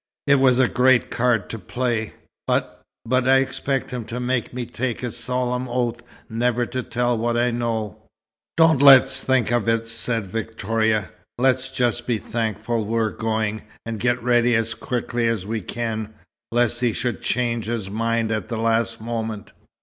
It was a great card to play. But but I expected him to make me take a solemn oath never to tell what I know." "Don't let's think of it," said Victoria. "Let's just be thankful that we're going, and get ready as quickly as we can, lest he should change his mind at the last moment."